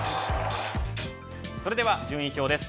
それでは順位表です。